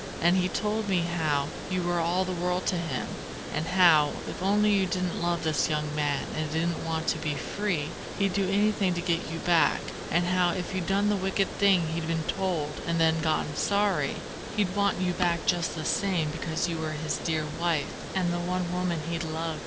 And he told me how you were all the world to him, and how, if only you didn't love this young man and didn't want to be free, he'd do anything to get you back, and how if you'd done the wicked thing he'd been told and then gotten sorry, he'd want you back just the same because you were his dear wife, and the one woman he loved.